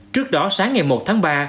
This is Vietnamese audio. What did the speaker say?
trước đó sáng ngày một tháng ba